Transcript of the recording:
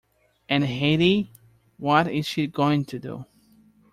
And Heidi, what is she going to do?